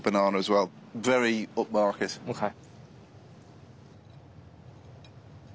はい。